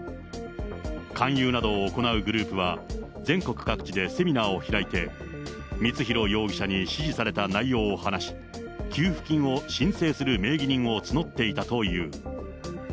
勧誘などを行うグループは、全国各地でセミナーを開いて、光弘容疑者に指示された内容を話し、給付金を申請する名義人を募っていたという。